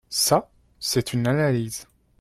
Ça, c’est une analyse